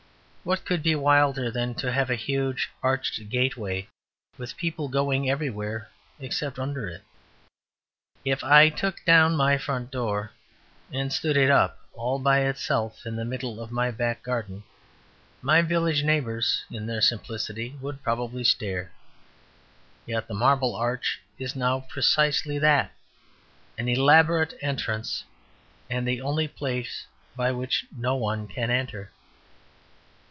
What could be wilder than to have a huge arched gateway, with people going everywhere except under it? If I took down my front door and stood it up all by itself in the middle of my back garden, my village neighbours (in their simplicity) would probably stare. Yet the Marble Arch is now precisely that; an elaborate entrance and the only place by which no one can enter.